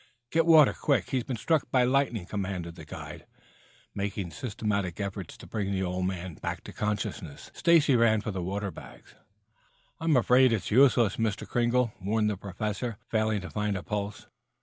"Get water, quick! He's been struck by lightning!" commanded the guide, making systematic efforts to bring the old man back to consciousness. Stacy ran for the water bags. "I am afraid it is useless, Mr. Kringle," warned, the Professor, failing to find a pulse.